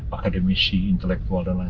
akademisi intelektual dan lain lain